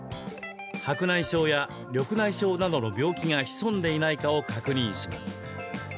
白内障や緑内障などの病気が潜んでいないかを確認します。